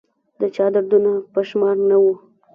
د چا دردونه په شمار نه وه